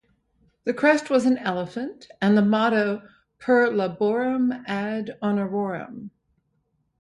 The crest was an elephant, and the motto "Per laborem ad honorem".